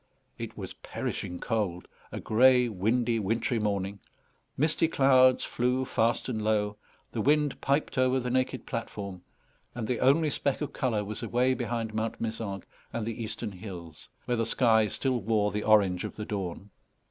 It was perishing cold, a grey, windy, wintry morning; misty clouds flew fast and low; the wind piped over the naked platform; and the only speck of colour was away behind Mount Mézenc and the eastern hills, where the sky still wore the orange of the dawn.